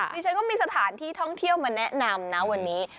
ดิฉันก็มีสถานที่ท่องเที่ยวมาแนะนำนะวันนี้